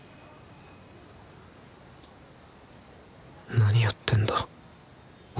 何やってんだ俺。